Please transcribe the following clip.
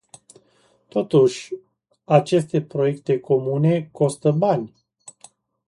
Totuși, aceste proiecte comune costă bani.